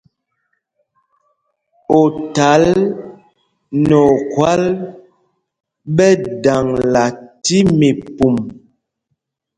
Othǎl nɛ okhwâl ɓɛ daŋla tí mípûm.